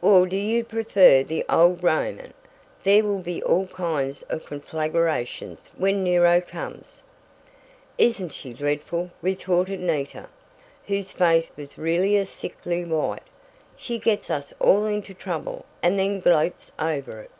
"Or do you prefer the old Roman? There will be all kinds of conflagrations when Nero comes!" "Isn't she dreadful!" retorted Nita, whose face was really a sickly white. "She gets us all into trouble, and then gloats over it."